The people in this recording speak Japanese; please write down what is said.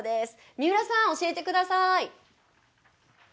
三浦さん、教えてください！